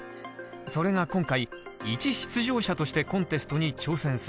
それが今回一出場者としてコンテストに挑戦する。